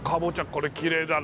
これきれいだな。